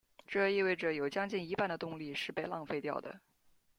这意味者有将近一半的动力是被浪费掉的。